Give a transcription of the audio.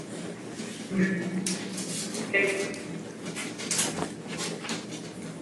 computer keyboard کی F keys خر کرتی کیا ہیں